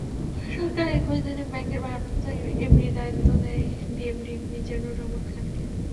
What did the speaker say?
সরকার একই দিন ব্যাংকের ভারপ্রাপ্ত এমডির দায়িত্ব দেয় ডিএমডি মিজানুর রহমান খানকে।